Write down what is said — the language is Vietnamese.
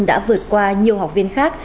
đã vượt qua nhiều học viên khác